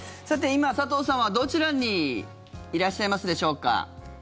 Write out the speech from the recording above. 今、佐藤さんはどちらにいらっしゃいますでしょうか。